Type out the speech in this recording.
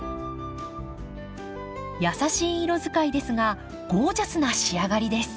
優しい色使いですがゴージャスな仕上がりです。